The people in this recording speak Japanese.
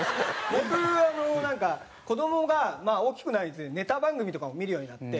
僕なんか子供が大きくなるにつれてネタ番組とかを見るようになって。